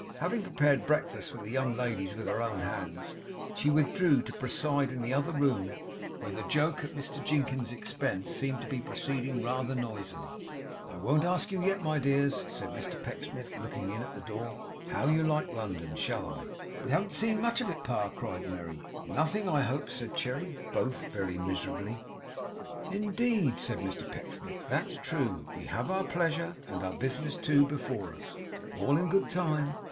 Having prepared breakfast for the young ladies with her own hands, she withdrew to preside in the other room; where the joke at Mr Jinkins's expense seemed to be proceeding rather noisily. 'I won't ask you yet, my dears,' said Mr Pecksniff, looking in at the door, 'how you like London. Shall I?' 'We haven't seen much of it, Pa!' cried Merry. 'Nothing, I hope,' said Cherry. (Both very miserably.) 'Indeed,' said Mr Pecksniff, 'that's true. We have our pleasure, and our business too, before us. All in good time.